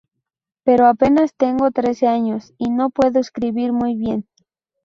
Pero apenas tengo trece años y no puedo escribir muy bien.